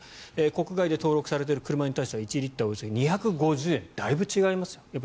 国外で登録されている車に対しては１リッターおよそ２５０円だいぶ違います。